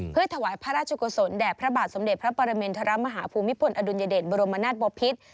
เพื่อถวายพระราชกุศลแด่พระบาทสมเด็จพระปรมินทรมาฮาภูมิพลอดุลยเดชบรมนาศบพิษ